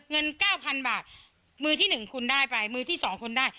เงินเก้าพันบาทมือที่หนึ่งคุณได้ไปมือที่สองคุณได้